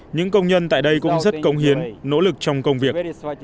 những công nhân tại đây cũng rất công hiến nỗ lực trong công việc